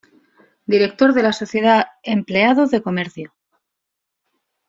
Director de la Sociedad Empleados de Comercio.